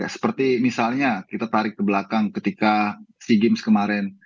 seperti misalnya kita tarik ke belakang ketika sea games kemarin